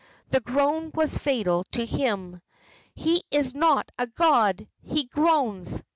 The groan was fatal to him. "He is not a god! he groans!"